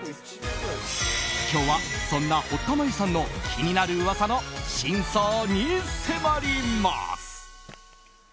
今日はそんな堀田真由さんの気になる噂の真相に迫ります。